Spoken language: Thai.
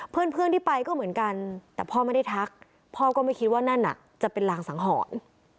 เพื่อนที่ไปก็เหมือนกันแต่พ่อไม่ได้ทักพ่อก็ไม่คิดว่านั่นน่ะจะเป็นรางสังหรณ์